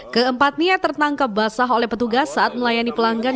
ke empatnya tertangkap basah oleh petugas saat melayani pelanggan